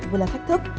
vừa là thách thức